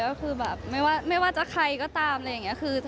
ก็คือแบบไม่ว่าจะใครก็ตามอะไรอย่างนี้